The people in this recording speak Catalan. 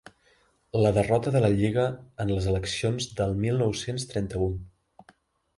La derrota de la Lliga en les eleccions del mil nou-cents trenta-un.